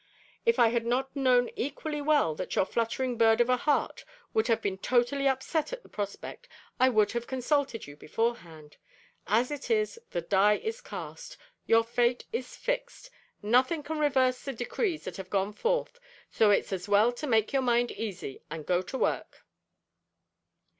If I had not known equally well that your fluttering bird of a heart would have been totally upset at the prospect, I would have consulted you beforehand. As it is, the die is cast. Your fate is fixed. Nothing can reverse the decrees that have gone forth, so it's as well to make your mind easy and go to work."